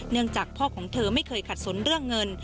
จากพ่อของเธอไม่เคยขัดสนเรื่องเงิน